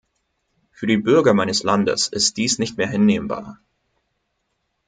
Für die Bürger meines Landes ist dies nicht mehr hinnehmbar.